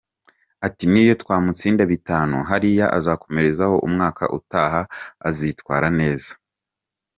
Ati “N’iyo twamutsinda bitanu hariya azakomerezeho umwaka utaha azitwara neza”.